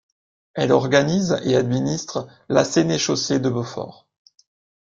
Elle organise et administre la sénéchaussée de Beaufort.